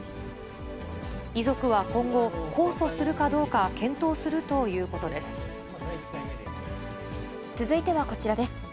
遺族は今後、控訴するかどう続いてはこちらです。